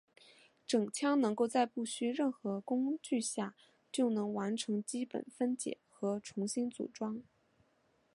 整枪能够在不需任何工具下就能完成基本分解和重新组装。